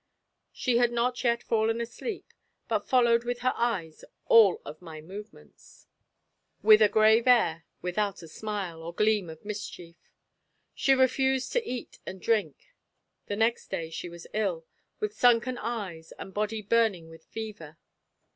She had not yet fallen asleep, but followed with her eyes all of my movements, with a grave air, without a smile, or gleam of mischief. "She refused to eat and drink; the next day she was ill, with sunken eyes and body burning with fever.